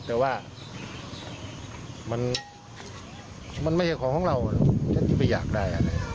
แต่ว่ามันไม่ใช่ของของเราฉันไม่อยากได้